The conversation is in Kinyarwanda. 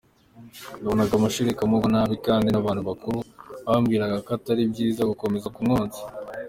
Nabonaga amashereka amugwa nabi kandi n’abantu bakuru bambwiraga ko atari byiza gukomeza kumwonsa”.